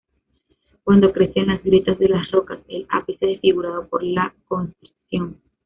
Cuando crece en las grietas de las rocas, el ápice desfigurado por la constricción.